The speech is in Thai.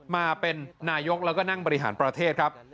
มาเป็นนายกแล้วก็นั่งบริหารประเทศครับ